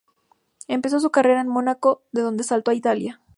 Empezó su carrera en el Mónaco, de donde saltó a Italia.